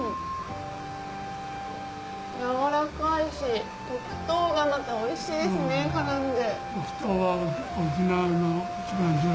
軟らかいし黒糖がまたおいしいですね絡んで。